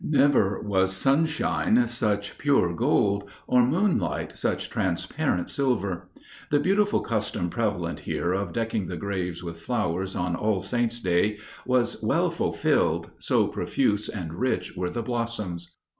Never was sunshine such pure gold, or moonlight such transparent silver. The beautiful custom prevalent here of decking the graves with flowers on All Saints' day was well fulfilled, so profuse and rich were the blossoms.